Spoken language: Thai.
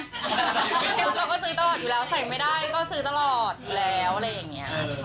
เราก็ซื้อตลอดอยู่แล้วใส่ไม่ได้ก็ซื้อตลอดอยู่แล้วอะไรอย่างนี้